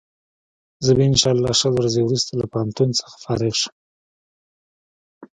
زه به انشا الله شل ورځې وروسته له پوهنتون څخه فارغ شم.